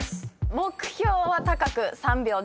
目標は高く３秒で。